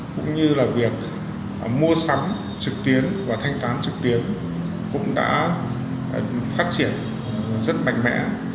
cũng như là việc mua sắm trực tuyến và thanh toán trực tuyến cũng đã phát triển rất mạnh mẽ